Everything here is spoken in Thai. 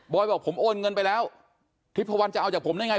บอกผมโอนเงินไปแล้วทิพวันจะเอาจากผมได้ไง